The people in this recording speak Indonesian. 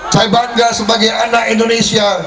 saya bangga sebagai anak indonesia